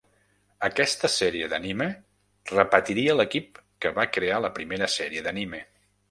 Aquesta sèrie d'anime repetiria l'equip que va crear la primera sèrie d'anime.